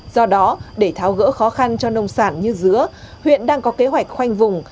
do đó để tháo gỡ khó khăn cho nông sản như dứa huyện đang có kế hoạch khoanh vùng